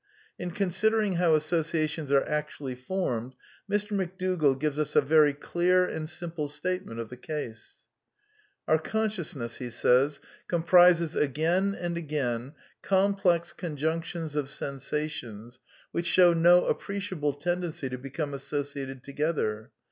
\ In considering how associations are actually formed, Mr. McDougall gives us a very clear and simple statement of the case. " Our consciousness comprises again and again complex con junctions of sensations which show no appreciable tendency to become associated together.